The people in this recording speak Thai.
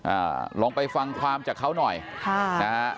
อ่าลองไปฟังความจากเขาหน่อยค่ะนะฮะ